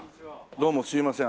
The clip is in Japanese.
どうもすいません。